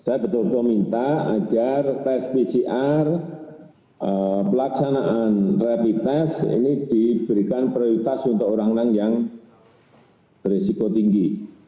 saya betul betul minta agar tes pcr pelaksanaan rapid test ini diberikan prioritas untuk orang orang yang berisiko tinggi